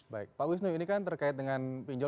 baik pak wisnu ini kan terkait dengan pinjol